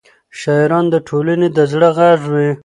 شاعران د ټولنې د زړه غږ وي.